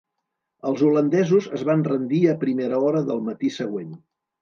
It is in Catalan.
Els holandesos es van rendir a primera hora del matí següent.